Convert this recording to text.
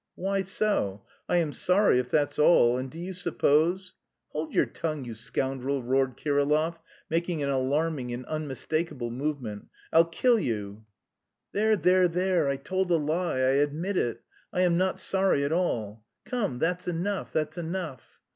"Why so? I am sorry, if that's all, and do you suppose..." "Hold your tongue, you scoundrel," roared Kirillov, making an alarming and unmistakable movement; "I'll kill you." "There, there, there! I told a lie, I admit it; I am not sorry at all. Come, that's enough, that's enough."